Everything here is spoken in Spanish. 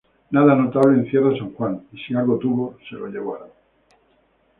Nada notable encierra San Juan, y si algo tuvo se lo llevaron.